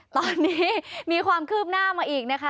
ตอนนี้มีความคืบหน้ามาอีกนะคะ